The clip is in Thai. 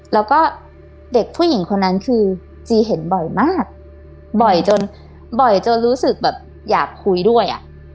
แล้วก็เด็กผู้หญิงคนนั้นคือจีเห็นบ่อยมากบ่อยจนบ่อยจนรู้สึกแบบอยากคุยด้วยอ่ะ